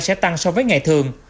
sẽ tăng so với ngày thường